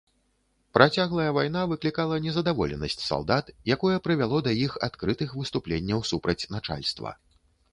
Працяглая вайна выклікала незадаволенасць салдат, якое прывяло да іх адкрытых выступленняў супраць начальства.